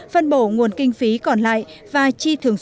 phân bổ nguồn kinh phí còn lại và chi thường xuyên